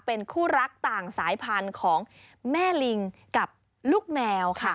เป็นคู่รักต่างสายพันธุ์ของแม่ลิงกับลูกแมวค่ะ